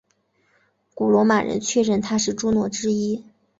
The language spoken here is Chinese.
古罗马人确认她是朱诺之一。